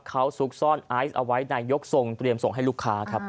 เขาซุกซ่อนไอซ์เอาไว้นายกทรงเตรียมส่งให้ลูกค้าครับ